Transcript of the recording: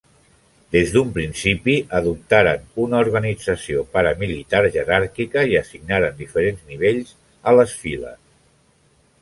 Des d'un principi adoptaren una organització paramilitar jeràrquica, i assignaren diferents nivells a les files.